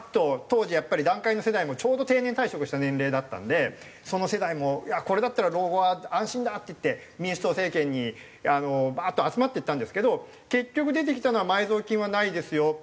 当時団塊の世代もちょうど定年退職した年齢だったのでその世代もこれだったら老後は安心だっていって民主党政権にバーッと集まっていったんですけど結局出てきたのは。